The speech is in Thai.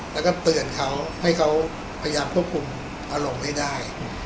แล้วก็เตือนเขาให้เขาพยายามควบคุมอารมณ์ให้ได้